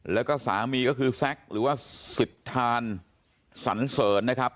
แล้วก็สามีก็คือแซ็กหรือว่าสิทธานสันเสริญนะครับ